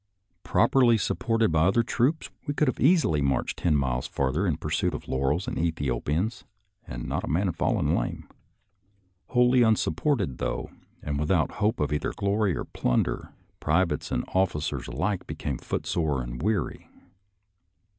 Properly supported by other troops, we could easily have marched ten miles farther in pursuit of laurels and Ethiopians, and not a man have fallen lame : wholly unsupported, though, and without hope of either glory or plunder, privates and officers alike became foot sore and weary.